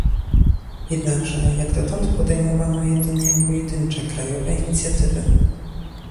Jednakże jak dotąd podejmowano jedynie pojedyncze krajowe inicjatywy